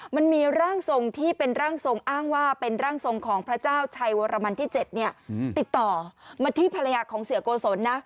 มันมีร่างทรงที่เป็นร่างทรงอ้างว่าเป็นร่างทรงของพระเจ้าชัยวรมันที่๗ติดต่อมาที่ภรรยาของเสียโกศลนะ